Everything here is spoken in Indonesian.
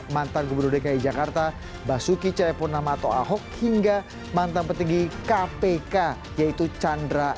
mantan gubernur dki jakarta basuki cahayapurnama atau ahok hingga mantan petinggi kpk yaitu chandra